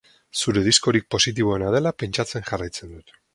Zure diskorik positiboena dela pentsatzen jarraitzen dut.